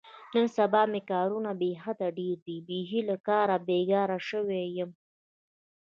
نن سبا مې کارونه بې حده ډېر دي، بیخي له کاره بېگاره شوی یم.